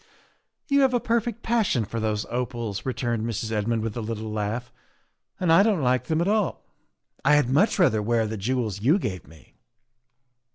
" You have a perfect passion for those opals," re turned Mrs. Redmond with a little laugh, " and I don't like them at all. I had much rather wear the jewels you gave me."